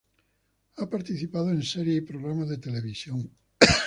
Ha participado en series y programas de televisión.